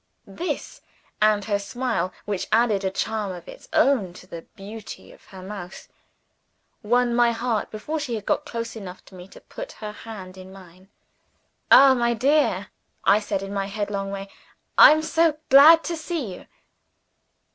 This, and her smile which added a charm of its own to the beauty of her mouth won my heart, before she had got close enough to me to put her hand in mine. "Ah, my dear!" I said, in my headlong way, "I am so glad to see you!"